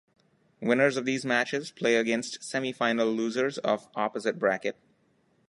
Winners of these matches play against semifinal losers of opposite bracket.